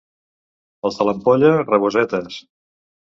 Els de l'Ampolla, rabosetes.